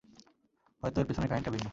হয়তো, এর পেছনের কাহিনীটা ভিন্ন!